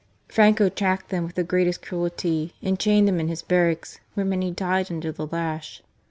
Franco tracked them with the greatest cruelty, and chained them in his barracks, where many died under the lash.